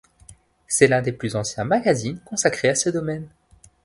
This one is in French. C'est l'un des plus anciens magazines consacrés à ce domaine.